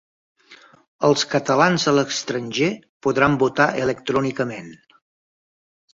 Els catalans a l'estranger podran votar electrònicament